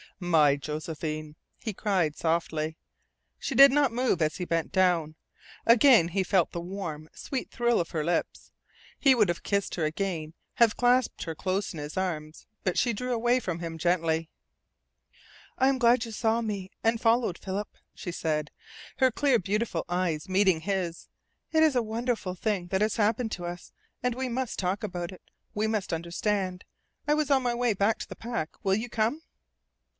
"My Josephine," he cried softly. She did not move as he bent down. Again he felt the warm, sweet thrill of her lips. He would have kissed her again, have clasped her close in his arms, but she drew away from him gently. "I am glad you saw me and followed, Philip," she said, her clear, beautiful eyes meeting his. "It is a wonderful thing that has happened to us. And we must talk about it. We must understand. I was on my way to the pack. Will you come?"